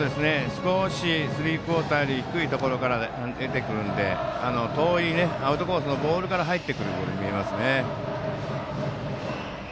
少しスリークオーターより低いところから投げてくるので遠いアウトコースのボールから入ってくるボールに見えますね。